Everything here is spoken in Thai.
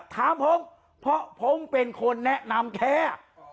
ถามผมเพราะผมเป็นคนแนะนำแค่